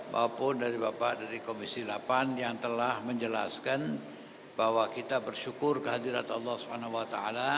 walaupun dari bapak komisi delapan yang telah menjelaskan bahwa kita bersyukur kehadrat allah swt